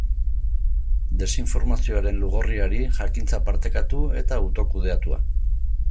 Desinformazioaren lugorriari, jakintza partekatu eta autokudeatua.